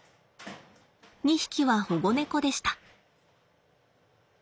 ２匹は保護猫でした。